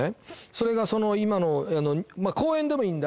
それがその今の公園でもいいんだ